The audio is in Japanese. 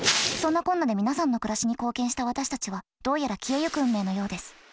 そんなこんなで皆さんの暮らしに貢献した私たちはどうやら消えゆく運命のようです。